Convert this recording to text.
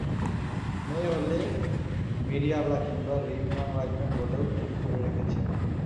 মেয়ে হলে মিরিয়ালা কিংবা রিম নাম রাখবেন বলেও ঠিক করে করেছেন।